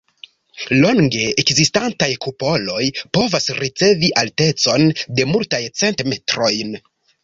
Longe ekzistantaj kupoloj povas ricevi altecon de multaj cent metrojn.